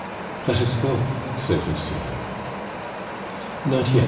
"Let us go," said Lucien. "Not yet.